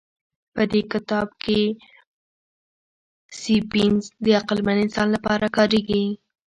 په دې کتاب کې سیپینز د عقلمن انسان لپاره کارېږي.